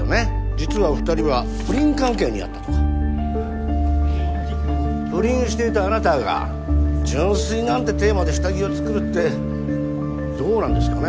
実はお二人は不倫関係にあったとか不倫していたあなたが純粋なんてテーマで下着を作るってどうなんですかね？